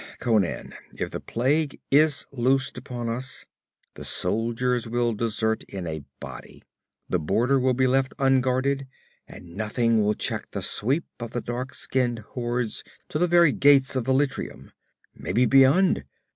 'Conan, if the plague is loosed upon us, the soldiers will desert in a body! The border will be left unguarded and nothing will check the sweep of the dark skinned hordes to the very gates of Velitrium maybe beyond!